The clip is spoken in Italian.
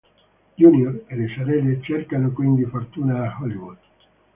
Junior e le sorelle cercano quindi fortuna a Hollywood.